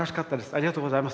ありがとうございます。